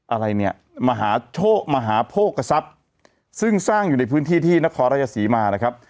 อะไรเนี่ยมหาโชคมหาโภคศัพย์ซึ่งสร้างอยู่ในพื้นที่ที่นครราชศรีมานะครับ